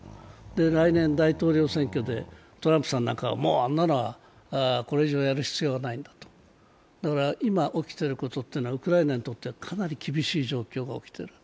来年、大統領選挙でトランプさんなんかはもうあんなのはこれ以上やる必要はないんだとだから今、起きていることというのはウクライナにとってはかなり厳しい状況が起きている。